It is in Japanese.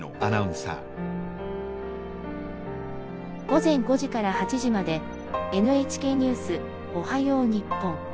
「午前５時から８時まで『ＮＨＫニュースおはよう日本』。